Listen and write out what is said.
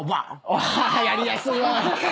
あやりやすいわ。